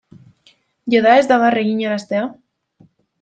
Jada ez da barre eginaraztea?